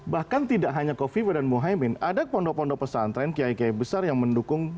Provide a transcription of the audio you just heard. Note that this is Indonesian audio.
bahkan tidak hanya kofifa dan mohaimin ada pondok pondok pesantren kiai kiai besar yang mendukung